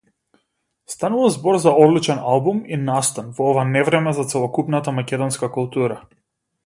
Станува збор за одличен албум и настан во ова невреме за целокупната македонска култура.